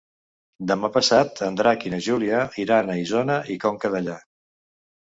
Demà passat en Drac i na Júlia iran a Isona i Conca Dellà.